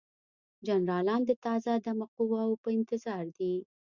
جنرالان د تازه دمه قواوو په انتظار دي.